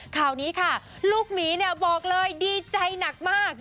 ข่าวนี้ค่ะลูกหมีบอกเลยดีใจหนักมาก